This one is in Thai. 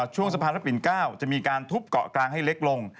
ช่วงสะพานพระปิ่น๙จะมีการทุบเกาะกลางให้เล็กลง